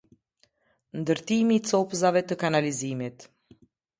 Ndërtimi i copëzave të kanalizimit